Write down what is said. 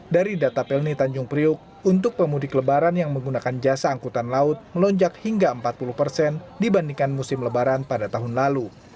dari data pelni tanjung priuk untuk pemudik lebaran yang menggunakan jasa angkutan laut melonjak hingga empat puluh persen dibandingkan musim lebaran pada tahun lalu